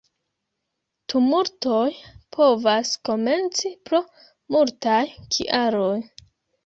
Tumultoj povas komenci pro multaj kialoj.